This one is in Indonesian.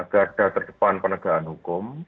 keadaan terdepan penegakan hukum